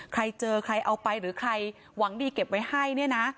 ใครเจอใครเอาไปหรือใครหวังดีเก็บไว้ให้เนี่ยนะ